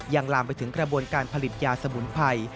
ลามไปถึงกระบวนการผลิตยาสมุนไพร